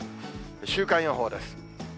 週間予報です。